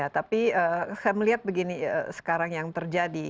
tapi saya melihat begini sekarang yang terjadi